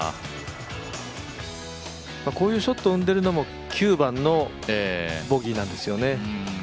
こういうショットを生んでいるのも９番のボギーなんですよね。